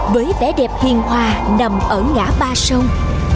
với vẻ đẹp hiền hòa nằm ở ngã ba sông